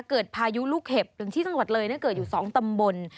พายุลูกเห็บถึงที่จังหวัดเลยเกิดอยู่๒ตำบล